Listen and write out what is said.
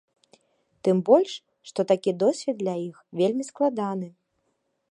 Тым больш, што такі досвед для іх вельмі складаны.